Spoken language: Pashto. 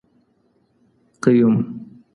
قیوم